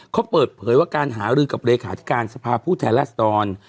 เขาเปิดเผยว่าการหารือกับเลขาธิการสภาพผู้แทนราษดร